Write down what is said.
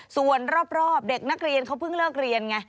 ส่วนรอบเด็กนักเรียนเขาเพิ่งเลิกเรียนไง